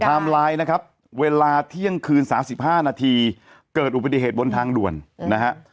ไลน์นะครับเวลาเที่ยงคืน๓๕นาทีเกิดอุบัติเหตุบนทางด่วนนะฮะ